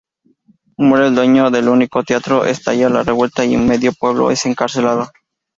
Muere el dueño del único teatro, estalla la revuelta, y medio pueblo es encarcelado.